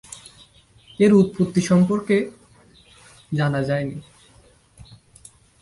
এর উৎপত্তি সম্পর্কে জানা যায়নি।